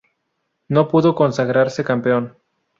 No pudo consagrarse campeón.